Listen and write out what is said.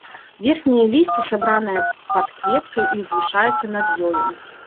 Верхняе лісце сабранае пад кветкай і ўзвышаецца над ёю.